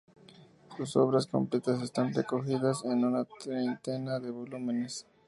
Sus obras completas están recogidas en una treintena de volúmenes.